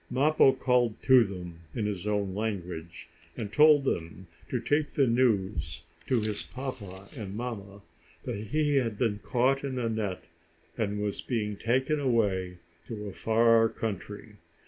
Mappo called to them, in his own language, and told them to take the news to his papa and mamma that he had been caught in a net, and was being taken away to a far country.